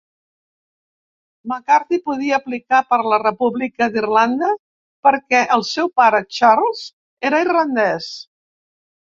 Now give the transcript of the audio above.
McCarthy podia aplicar per la República d'Irlanda perquè el seu pare, Charles, era irlandès.